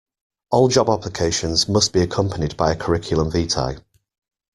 All job applications must be accompanied by a curriculum vitae